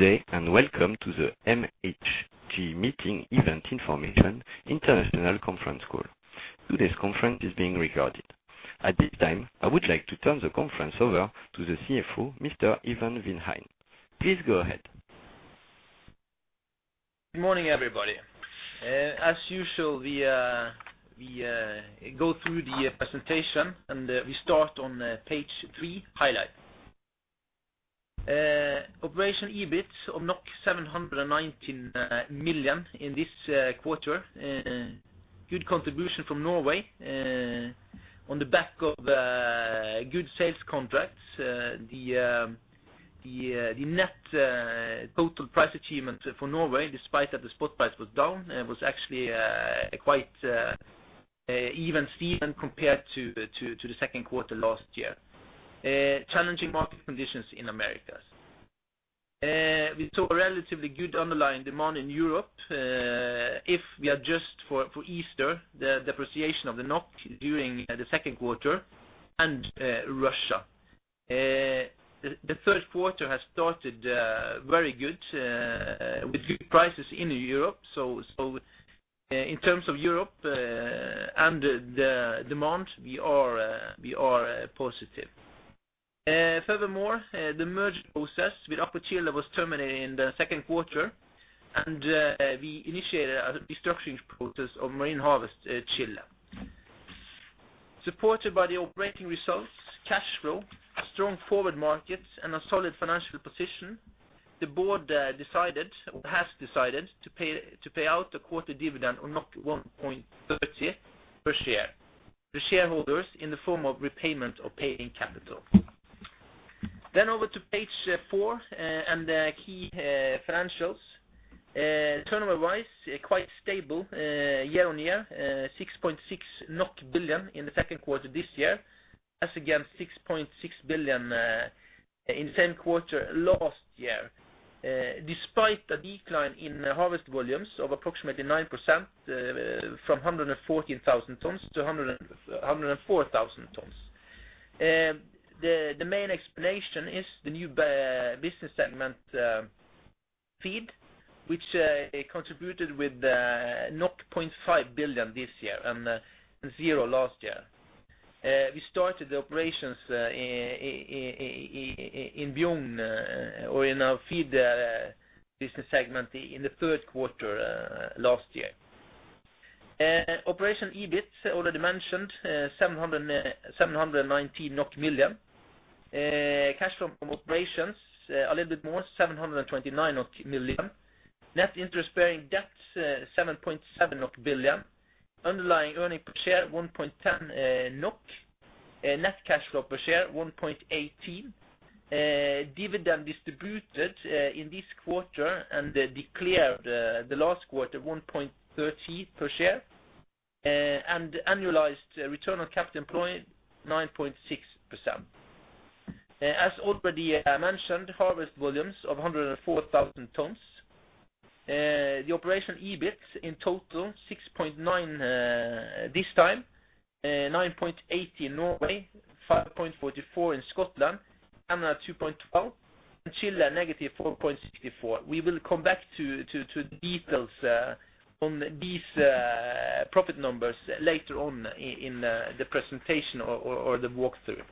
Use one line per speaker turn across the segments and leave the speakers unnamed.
Good day and welcome to the MHG Meeting Event Information international conference call. Today's conference is being recorded. At this time, I would like to turn the conference over to the CFO, Mr. Ivan Vindheim. Please go ahead.
Morning, everybody. As usual, we go through the presentation. We start on page three, highlights. Operational EBIT of 719 million in this quarter. Good contribution from Norway on the back of good sales contracts. The net total price achievement for Norway, despite that the spot price was down, was actually quite even compared to the second quarter last year. Challenging market conditions in Americas. We saw relatively good underlying demand in Europe if we adjust for Easter, the depreciation of the NOK during the second quarter, and Russia. The first quarter has started very good with good prices in Europe. In terms of Europe and the demand, we are positive. Furthermore, the merger process with AquaChile was terminated in the second quarter. We initiated a de-listing process of Marine Harvest Chile. Supported by the operating results, cash flow, strong forward markets, and a solid financial position, the board has decided to pay out a quarter dividend of 1.30 per share to shareholders in the form of repayment of paid-in capital. Over to page four and the key financials. Turnover was quite stable year-on-year, 6.6 billion NOK in the second quarter this year, as against 6.6 billion in the same quarter last year. Despite a decline in harvest volumes of approximately 9%, from 114,000 tons to 104,000 tons. The main explanation is the new business segment, Feed, which contributed with 0.5 billion this year and zero last year. We started operations in Bjugn or in our Feed business segment in the third quarter last year. Operational EBIT already mentioned, 719 million NOK. Cash flow from operations a little bit more, 729 million NOK. Net interest-bearing debt, 7.7 billion NOK. Underlying earnings per share, 1.10 NOK. Net cash flow per share, 1.18. Dividend distributed in this quarter and declared the last quarter, 1.30 per share. Annualized Return on capital employed, 9.6%. As already mentioned, harvest volumes of 104,000 tons. The operational EBIT in total 6.9 this time, 9.80 in Norway, 5.44 in Scotland, Canada 2.12, and Chile negative 4.64. We will come back to the details on these profit numbers later on in the presentation or the walkthrough.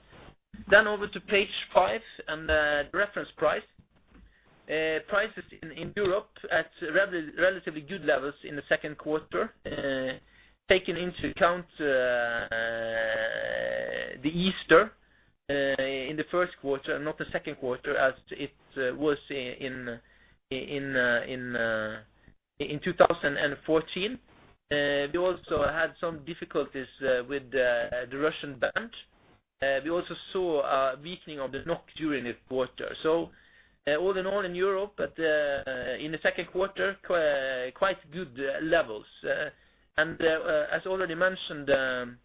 Over to page five and the reference price. Prices in Europe at relatively good levels in the second quarter, taking into account the Easter in the first quarter, not the second quarter, as it was in 2014. We also had some difficulties with the Russian ban. We also saw a weakening of the NOK during this quarter. All in all in Europe, but in the second quarter, quite good levels. As already mentioned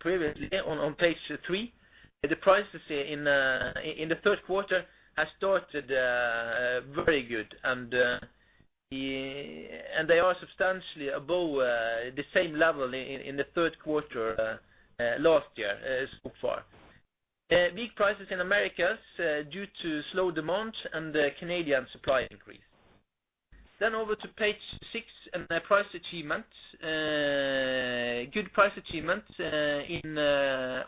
previously on page three, the prices in the first quarter have started very good and they are substantially above the same level in the first quarter last year so far. Weak prices in Americas due to slow demand and the Canadian supply increase. Over to page six and the price achievements. Good price achievements in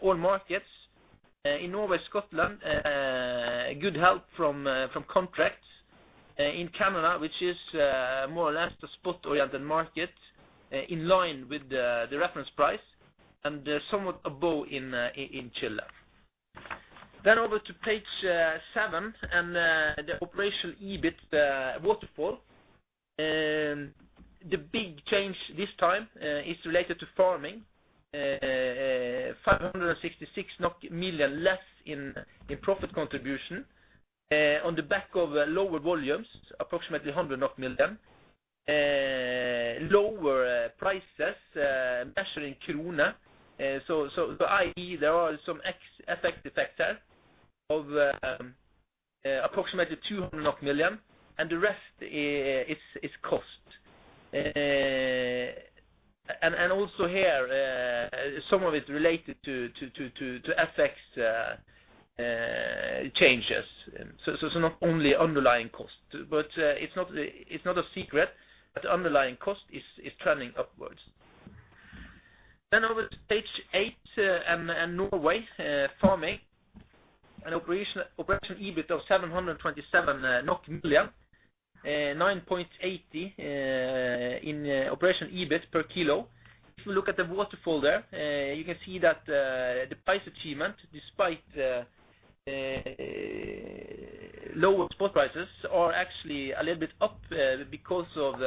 all markets. In Norway, Scotland, good help from contracts. In Canada, which is more or less the spot oil market, in line with the reference price, and somewhat above in Chile. Over to page seven and the operational EBIT waterfall. The big change this time is related to farming. 566 million less in profit contribution on the back of lower volumes, approximately 100 million. Lower prices measured in krone. I.e., there are some FX effects there of approximately 200 million, and the rest is cost. Also here, some of it is related to FX changes. It's not a secret that underlying cost is turning upwards. Over to page eight, Norway Farming. An operational EBIT of 727 million NOK. 9.80 in operational EBIT per kilo. If you look at the waterfall there, you can see that the price achievement, despite lower spot prices, are actually a little bit up because of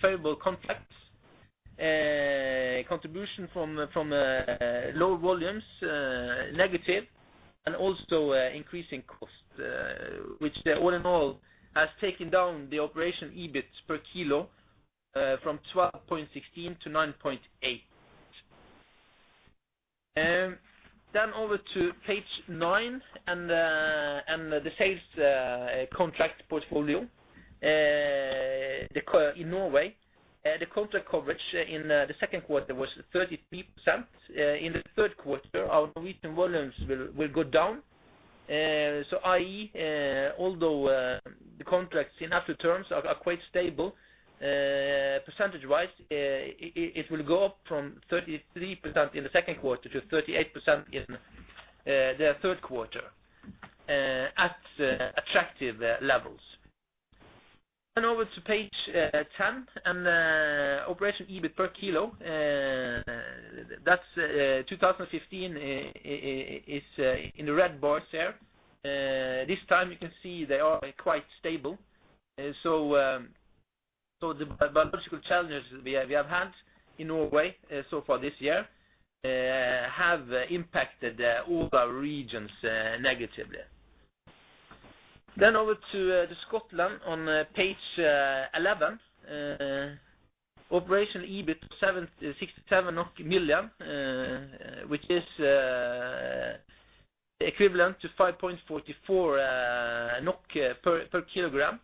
favorable contracts. Contribution from lower volumes, negative, and also increasing cost, which all in all has taken down the operational EBIT per kilo from 12.16-9.8. Over to page nine and the sales contract portfolio in Norway. The contract coverage in the second quarter was 33%. In the third quarter, our Norwegian volumes will go down. I.e., although the contracts in absolute terms are quite stable, percentage-wise, it will go up from 33% in the second quarter to 38% in the third quarter at attractive levels. Over to page 10 and Operational EBIT per kilogram. That's 2015, it's in the red bars there. This time you can see they are quite stable. The biological challenges we have had in Norway so far this year have impacted all our regions negatively. Over to Scotland on page 11. Operational EBIT of 67 million NOK, which is equivalent to 5.44 NOK per kilogram.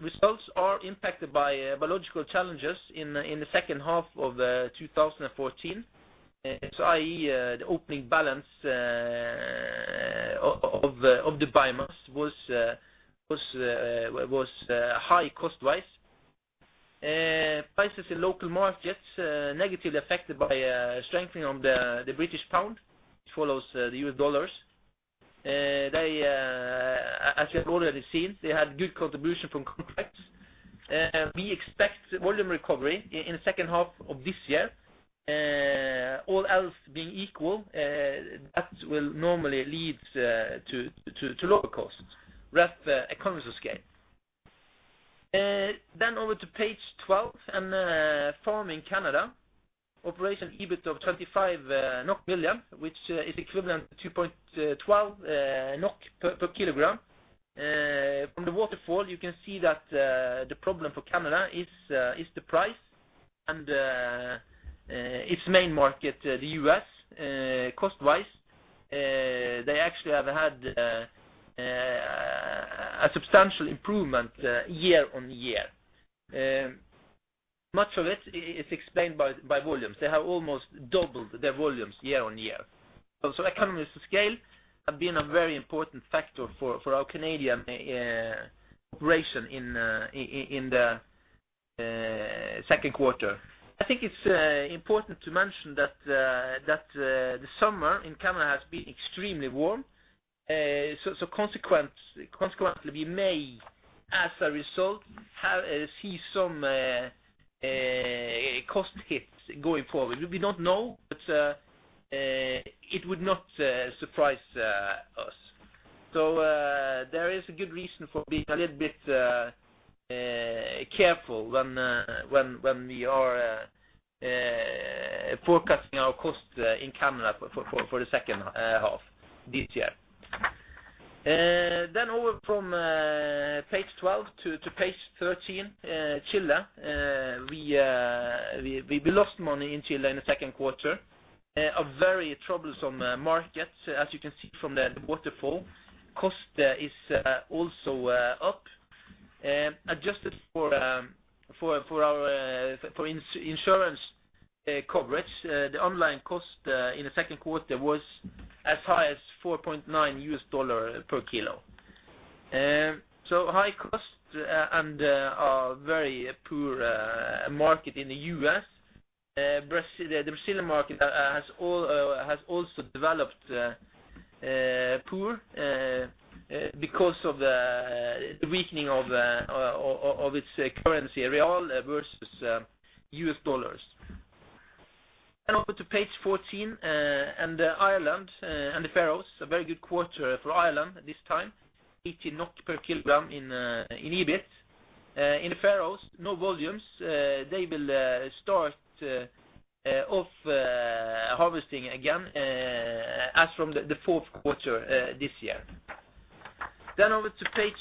Results are impacted by biological challenges in the second half of 2014. I.e., the opening balance of the biomass was high cost-wise. Prices in local markets negatively affected by strengthening of the GBP, which follows the U.S. dollars. As you have already seen, they had good contribution from contracts. We expect volume recovery in the second half of this year. All else being equal, that will normally lead to lower costs, that's the economies of scale. Over to page 12 and Farming Canada. Operational EBIT of 35 million NOK, which is equivalent to 2.12 NOK per kilogram. From the waterfall, you can see that the problem for Canada is the price and its main market, the U.S., cost-wise. They actually have had a substantial improvement year-on-year. Much of it is explained by volumes. They have almost doubled their volumes year-on-year. Economies of scale have been a very important factor for our Canadian operation in the second quarter. I think it's important to mention that the summer in Canada has been extremely warm. Consequently, we may, as a result, see some cost hits going forward. We don't know, but it would not surprise us. There is a good reason for being a little bit careful when we are forecasting our costs in Canada for the second half this year. Over from page 12 to page 13, Chile. We lost money in Chile in the second quarter. A very troublesome market, as you can see from the waterfall. Cost is also up. Adjusted for insurance coverage, the underlying cost in the second quarter was as high as $4.9 per kilo. High cost and a very poor market in the U.S. The Brazilian market has also developed poor because of the weakening of its currency, real versus U.S. dollars. Over to page 14, Ireland and the Faroes. A very good quarter for Ireland this time. 18 per kilogram in EBIT. In the Faroes, no volumes. They will start off harvesting again as from the fourth quarter this year. Over to page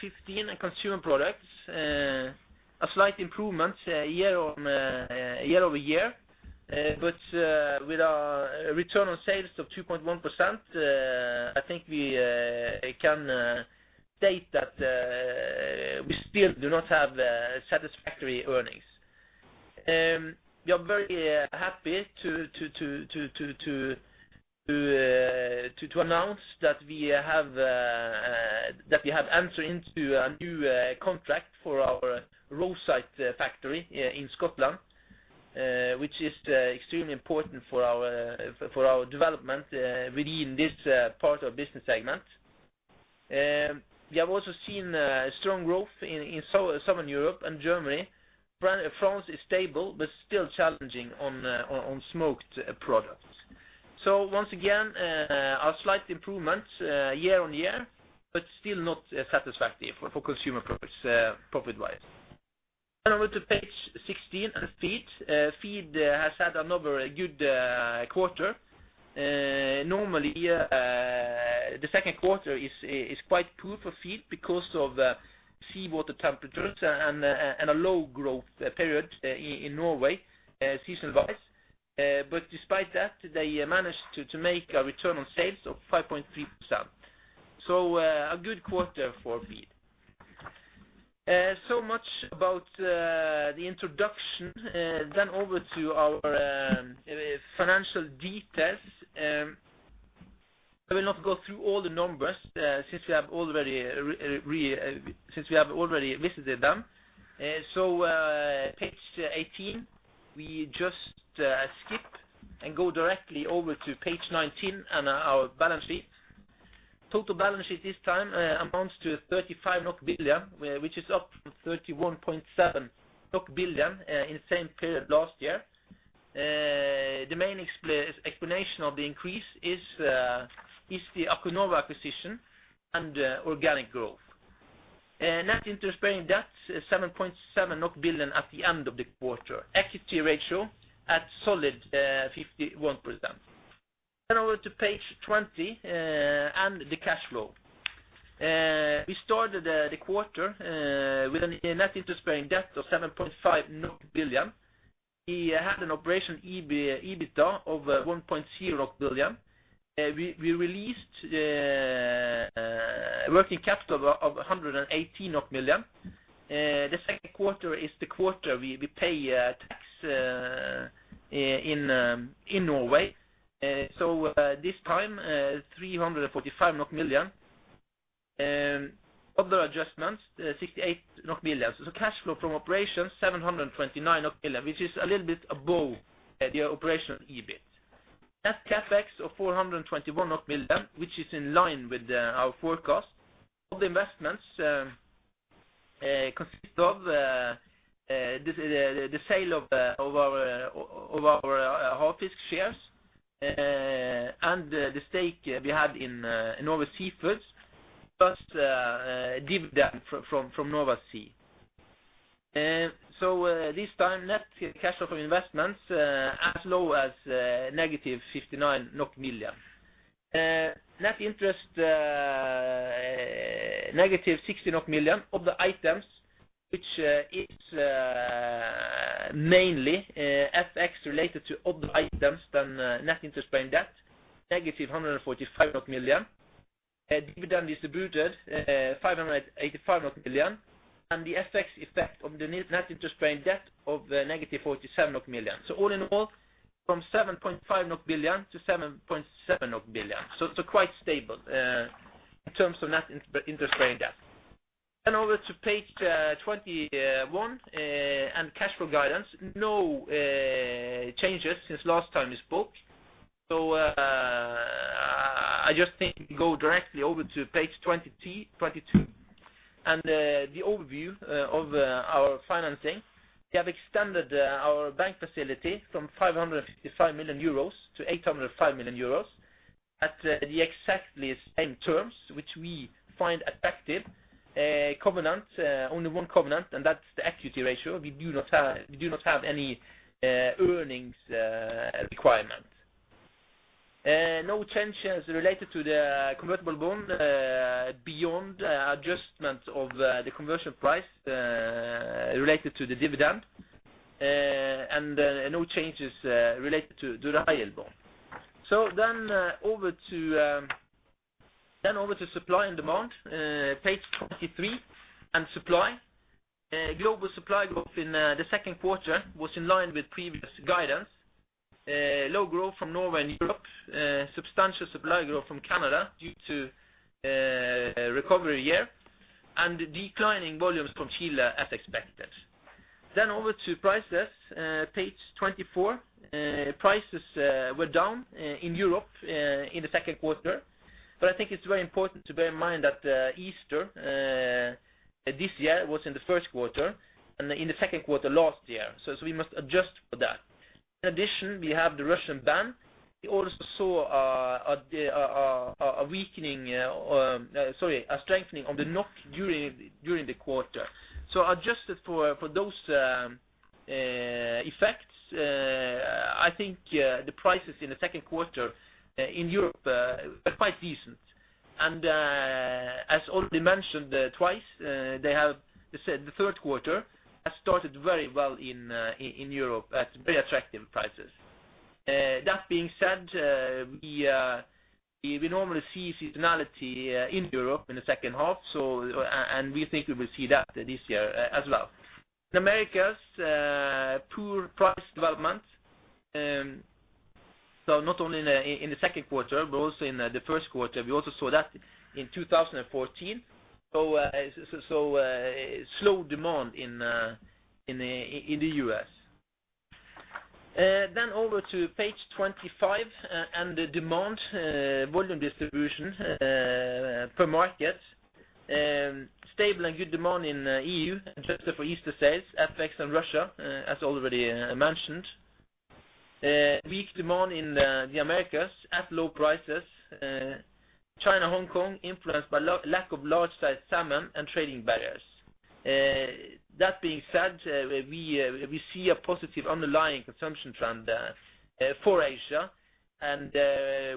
15, Consumer Products. A slight improvement year-over-year, but with a return on sales of 2.1%, I think we can state that. We still do not have satisfactory earnings. We are very happy to announce that we have entered into a new contract for our Rosyth factory in Scotland, which is extremely important for our development within this part of the business segment. We have also seen strong growth in Southern Europe and Germany. France is stable but still challenging on smoked products. Once again, a slight improvement year-on-year, but still not satisfactory for Consumer Products profit-wise. Over to page 16 on Feed. Feed has had another good quarter. Normally, the second quarter is quite poor for Feed because of the seawater temperatures and a low growth period in Norway, seasonal wise. Despite that, they managed to make a return on sales of 5.3%. A good quarter for Feed. Much about the introduction. Over to our financial details. I will not go through all the numbers since we have already visited them. Page 18, we just skip and go directly over to page 19 and our balance sheet. Total balance sheet this time amounts to 35 billion NOK, which is up from 31.7 billion NOK in the same period last year. The main explanation of the increase is the Acuinova acquisition and organic growth. net interest-bearing debt, 7.7 billion at the end of the quarter. equity ratio at solid 51%. Over to page 20 and the cash flow. We started the quarter with a net interest-bearing debt of 7.5 billion. We had an operational EBITDA of 1.0 billion. We released a working capital of 118 million. The second quarter is the quarter we pay tax in Norway. This time, 345 million. Other adjustments, 68 million. Cash flow from operations 729 million, which is a little bit above the operational EBIT. Net CapEx of 421 million, which is in line with our forecast. Of the investments consist of the sale of our Havfisk shares and the stake we have in Nova Sea, plus dividend from Nova Sea. This time, net cash of investments as low as negative 59 million NOK. Net interest negative 16 million NOK. Other items, which it's mainly FX related to other items than net interest-bearing debt, negative 145 million. Dividends distributed 585 million. The FX effect of the net interest-bearing debt of negative 47 million. All in all, from 7.5 billion to 7.7 billion. Quite stable in terms of net interest-bearing debt. Over to page 21 and cash flow guidance. No changes since last time we spoke. I just think we can go directly over to page 22 and the overview of our financing. We have extended our bank facility from 555 million euros to 805 million euros at the exact same terms, which we find attractive. Covenants, only one covenant, and that's the equity ratio. We do not have any earnings requirement. No changes related to the convertible bond beyond adjustment of the conversion price related to the dividend. No changes related to the hybrid bond. Over to supply and demand, page 23 and supply. Global supply growth in the second quarter was in line with previous guidance. Low growth from Norway and Europe. Substantial supply growth from Canada due to recovery here, and the decline in volumes from Chile as expected. Over to prices, page 24. Prices were down in Europe in the second quarter, but I think it's very important to bear in mind that Easter this year was in the first quarter and in the second quarter last year, so we must adjust for that. In addition, we have the Russian ban. We also saw a strengthening of the NOK during the quarter. Adjusted for those effects, I think the prices in the second quarter in Europe were quite decent. As already mentioned twice, the third quarter has started very well in Europe at very attractive prices. That being said, we normally see seasonality in Europe in the second half, and we think we will see that this year as well. The Americas, poor price development. Not only in the second quarter, but also in the first quarter. We also saw that in 2014, slow demand in the U.S. Over to page 25 and the demand volume distribution per market. Stable and good demand in EU, except for Eastern Europe, FX and Russia, as already mentioned. Weak demand in the Americas at low prices. China, Hong Kong influenced by lack of large size salmon and trading barriers. That being said, we see a positive underlying consumption trend for Asia, and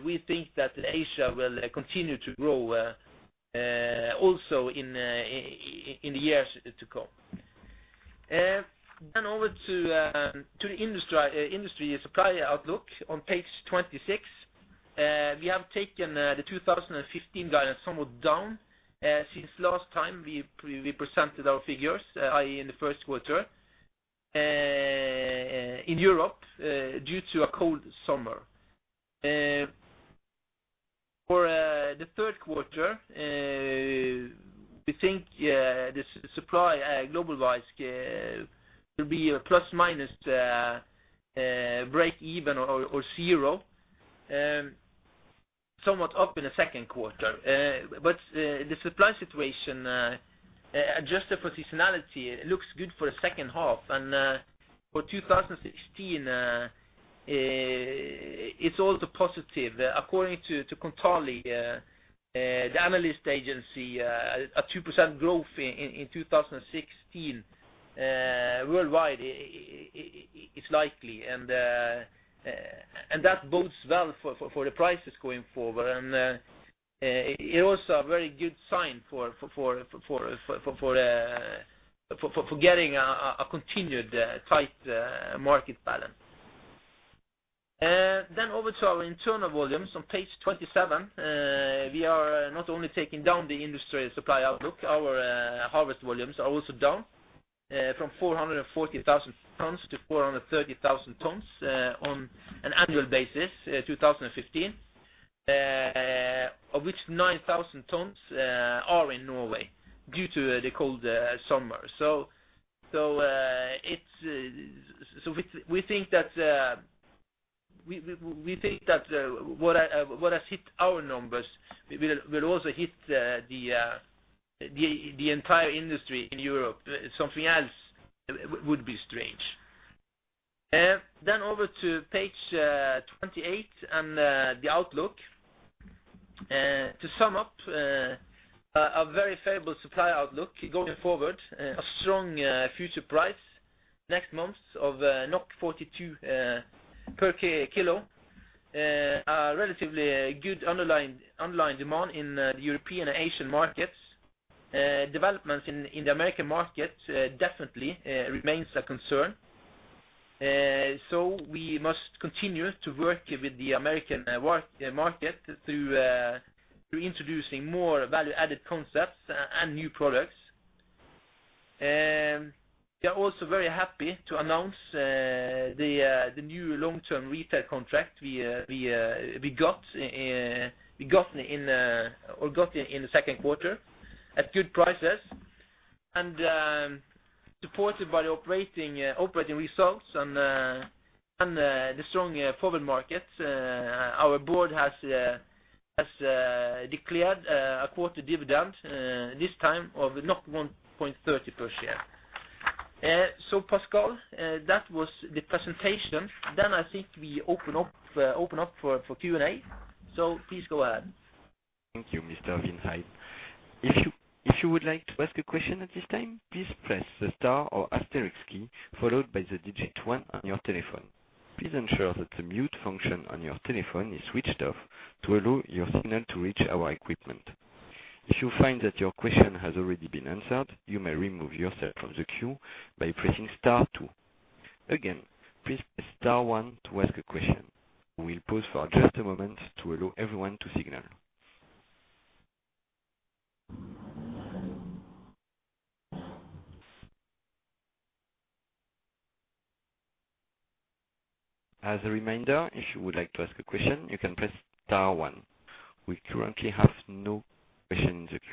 we think that Asia will continue to grow also in the years to come. Over to industry supply outlook on page 26. We have taken the 2015 guidance somewhat down since last time we presented our figures, i.e. in the first quarter in Europe due to a cold summer. For the third quarter, we think the supply global-wise will be a plus/minus break-even or zero, somewhat up in the second quarter. The supply situation adjusted for seasonality looks good for the second half. For 2016, it's also positive. According to Kontali, the analyst agency, a 2% growth in 2016 worldwide is likely, and that bodes well for the prices going forward. It's also a very good sign for getting a continued tight market balance. Over to our internal volumes on page 27. We are not only taking down the industry supply outlook, our harvest volumes are also down from 440,000 tons-430,000 tons on an annual basis in 2015, of which 9,000 tons are in Norway due to the cold summer. We think that what has hit our numbers will also hit the entire industry in Europe. Something else would be strange. Over to page 28 and the outlook. To sum up, a very favorable supply outlook going forward. A strong future price next month of 42 per kilo. A relatively good underlying demand in the European and Asian markets. Development in the American market definitely remains a concern. We must continue to work with the American market through introducing more value-added concepts and new products. We are also very happy to announce the new long-term retail contract we got in the second quarter at good prices. Supported by operating results and the strong forward markets, our board has declared a quarter dividend this time of 1.30 per share. Pascal, that was the presentation. I think we open up for Q&A. Please go ahead.
Thank you, Mr. Vindheim. If you would like to ask a question at this time, please press the star or asterisk key followed by the digit one on your telephone. Please ensure that the mute function on your telephone is switched off to allow your signal to reach our equipment. If you find that your question has already been answered, you may remove yourself from the queue by pressing star two. Again, please press star one to ask a question. We will pause for just a moment to allow everyone to signal. As a reminder, if you would like to ask a question, you can press star one. We currently have no questions in the queue